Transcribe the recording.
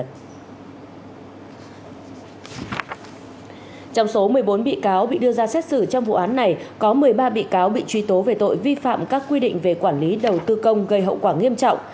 trong số một mươi bốn bị cáo bị đưa ra xét xử trong vụ án này có một mươi ba bị cáo bị truy tố về tội vi phạm các quy định về quản lý đầu tư công gây hậu quả nghiêm trọng